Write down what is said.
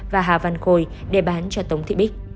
và hà văn khôi để bán cho tống thị bích